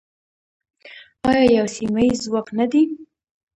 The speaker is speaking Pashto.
آیا یو سیمه ییز ځواک نه دی؟